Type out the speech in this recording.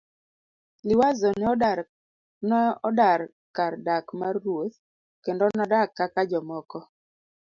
Liwazo ne odar kar dak mar ruoth kendo nodak kaka jomoko.